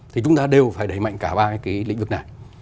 thì chúng ta đều phải đẩy mạnh cả ba cái lĩnh vực này